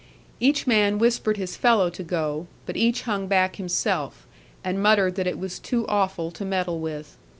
Each man whispered his fellow to go, but each hung back himself, and muttered that it was too awful to meddle with.